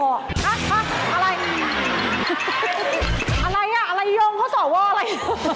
อะไรอ่ะอะไรยงเขาสวอะไร